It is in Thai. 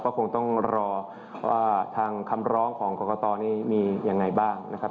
ก็คงต้องรอว่าทางคำร้องของกรกตนี้มียังไงบ้างนะครับ